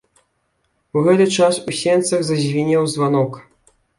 У гэты час у сенцах зазвінеў званок.